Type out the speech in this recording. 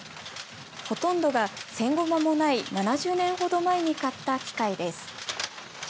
ほとんどが戦後まもない７０年ほど前に買った機械です。